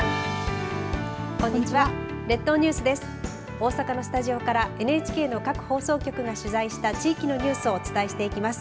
大阪のスタジオからＮＨＫの各放送局が取材した地域のニュースをお伝えしてきます。